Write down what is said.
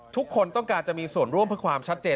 ทุกคนต้องการจะมีส่วนร่วมเพื่อความชัดเจน